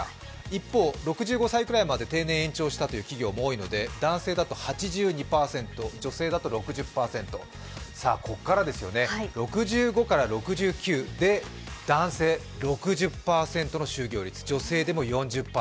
一方、６５歳ぐらいまで定年延長したという企業も多いので男性だと８２％、女性だと６０％、ここからですよね、６５から６９で男性６０％の就業率、女性でも４０％。